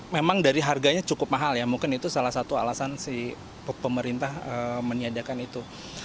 memang dari harganya cukup mahal ya mungkin itu salah satu alasan si pemerintah meniadakan itu